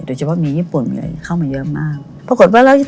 โดยเฉพาะมีญี่ปุ่นเข้ามาเยอะมาก